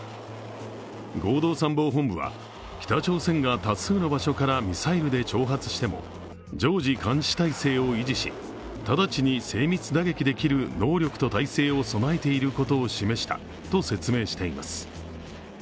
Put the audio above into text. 合同参謀本部は、北朝鮮が多数の場所からミサイルで挑発しても、常時監視態勢を維持し直ちに精密打撃できる能力と態勢を備えていることを示したと説明しています。